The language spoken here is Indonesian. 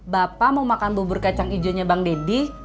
bapak mau makan bubur kacang ijo nya bang deddy